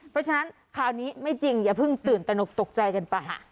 เพราะฉะนั้นคราวนี้ไม่จริงอย่าเพิ่งตื่นตนกตกใจกันไป